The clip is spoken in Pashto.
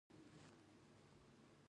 موټر یې د ونو له لوڅو ښاخونو څخه ښکارېده.